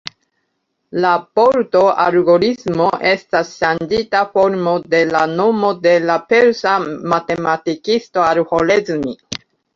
La vorto "algoritmo" estas ŝanĝita formo de la nomo de la persa matematikisto Al-Ĥorezmi.